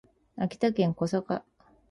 秋田県小坂町